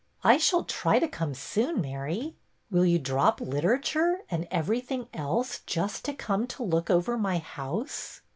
I shall try to come soon, Mary.'' '' Will you drop literature and everything else just to come to look over my house?